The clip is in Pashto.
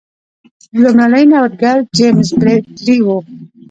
لومړنی نوښتګر جېمز برینډلي و.